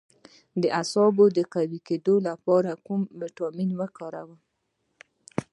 د اعصابو د قوي کیدو لپاره کوم ویټامین وکاروم؟